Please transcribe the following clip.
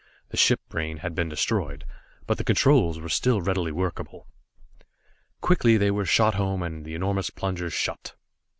The ship brain had been destroyed, but the controls were still readily workable. Quickly they were shot home, and the enormous plungers shut.